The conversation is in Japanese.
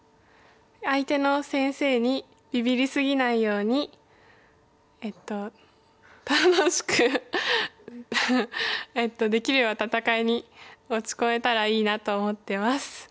相手の先生にびびり過ぎないように楽しくできれば戦いに持ち込めたらいいなと思ってます。